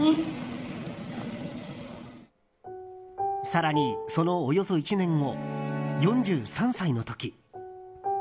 更に、そのおよそ１年後４３歳の時。